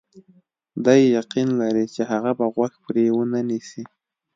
دی یقین لري چې هغه به غوږ پرې ونه نیسي.